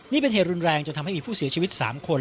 นี่เป็นเหตุรุนแรงจนทำให้มีผู้เสียชีวิต๓คน